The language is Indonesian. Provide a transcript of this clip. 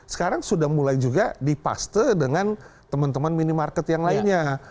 sekarang sudah mulai juga dipaste dengan teman teman minimarket yang lainnya